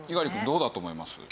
どうだと思います？